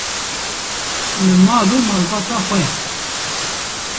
li mal û malbata xwe.